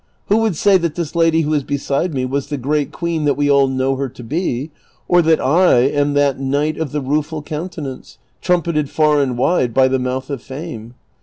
Who would say that this lady who is beside me was the great queen that we all know her to be, or that I am that Knight of the Rueful Countenance, trumpeted far and wide by the mouth of Fame